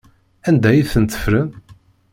Anda ay tent-ffren?